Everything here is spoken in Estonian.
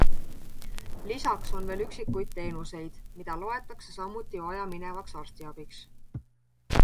Lisaks on veel üksikud teenused, mida loetakse samuti vajaminevaks arstiabiks.